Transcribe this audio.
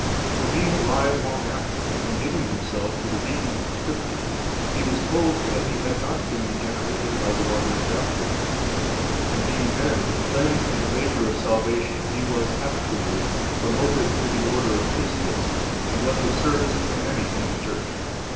For being alive long after, and giving himself to the reading of Scripture, he was told that he had not been regenerated by the water of Baptism, and being then cleansed in the laver of salvation, he was afterwards promoted to the order of priesthood, and was of service to many in the church.